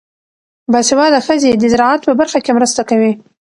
باسواده ښځې د زراعت په برخه کې مرسته کوي.